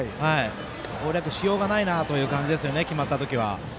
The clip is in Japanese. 攻略しようがないなという感じですよね、決まったときは。